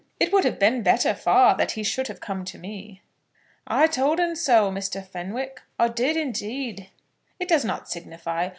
It would have been better far that he should have come to me." "I told 'un so, Mr. Fenwick, I did, indeed." "It does not signify.